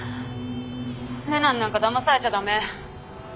玲奈になんかだまされちゃ駄目。